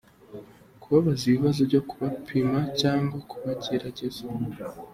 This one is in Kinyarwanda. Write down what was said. Kubabaza ibibazo byo kubapima cyangwa kubagerageza.